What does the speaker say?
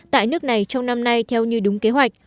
tại nước này trong năm nay theo như đúng kế hoạch